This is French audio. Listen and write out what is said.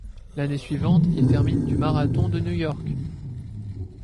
L'année suivante, il termine du marathon de New York.